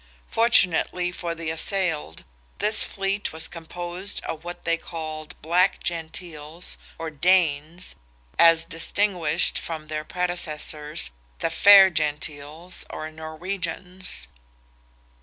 Fortunately for the assailed, this fleet was composed of what they called Black Gentiles, or Danes, as distinguished from their predecessors, the Fair Gentiles, or Norwegians.